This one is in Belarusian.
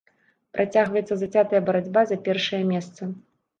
Працягваецца зацятая барацьба за першае месца.